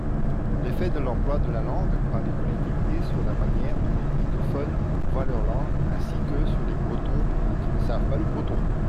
l'effet de l'emploi de la langue par les collectivités sur la manière dont les brittophones voient leur langue, ainsi que sur les Bretons qui ne savent pas le breton.